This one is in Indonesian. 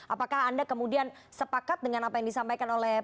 apakah anda kemudian sepakat dengan apa yang disampaikan oleh